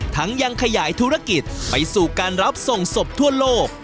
ยังขยายธุรกิจไปสู่การรับส่งศพทั่วโลก